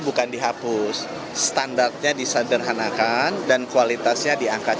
bukan dihapus standarnya disederhanakan dan kualitasnya diangkat